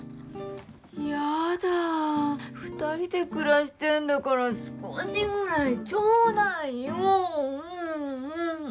やだあ２人で暮らしてるんだから少しぐらいちょうだいよ、もう！